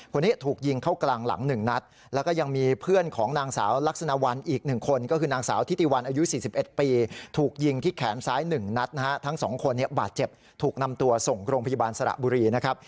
คนนี้ถูกยิงเข้ากลางหลัง๑นัดแล้วก็ยังมีเพื่อนของนางสาวลักษณะวัลอีก๑คนก็คือนางสาวทิติวันอายุ๔๑ปีถูกยิงที่แขนซ้าย๑นัดนะฮะทั้งสองคนบาดเจ็บถูกนำตัวส่งโรงพยาบาลสระบุรีนะครับ